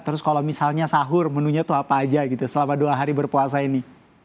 terus kalau misalnya sahur menunya tuh apa aja gitu selama dua hari berpuasa ini